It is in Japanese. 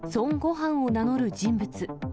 飯を名乗る人物。